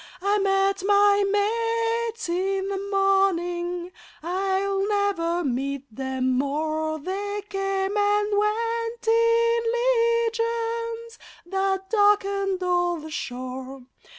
I met my mates in the morning (I'll never meet them more!); They came and went in legions that darkened all the shore.